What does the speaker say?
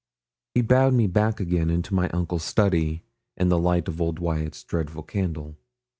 He bowed me back again into my uncle's study, and the light of old Wyat's dreadful candle.